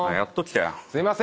すいません。